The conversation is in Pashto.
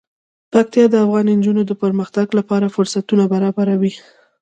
پکتیا د افغان نجونو د پرمختګ لپاره فرصتونه برابروي.